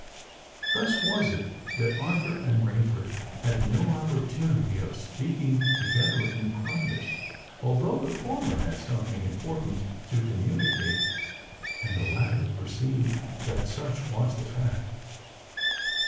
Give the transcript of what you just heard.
Thus was it that Arthur and Rainford had no opportunity of speaking together in private,—although the former had something important to communicate, and the latter perceived that such was the fact.